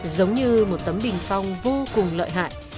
giống như một tấm bình phong vô cùng lợi hại